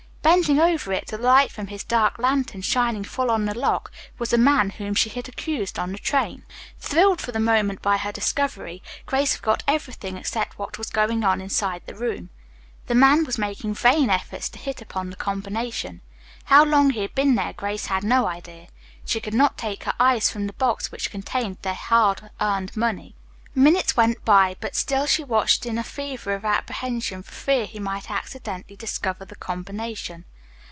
Bending over it, the light from his dark lantern shining full on the lock, was the man whom she had accused on the train. [Illustration: Grace Held Her Breath in Astonishment] Thrilled for the moment by her discovery, Grace forgot everything except what was going on inside the room. The man was making vain efforts to hit upon the combination. How long he had been there Grace had no idea. She could not take her eyes from the box which contained their hard earned money. Minutes went by, but still she watched in a fever of apprehension for fear he might accidentally discover the combination.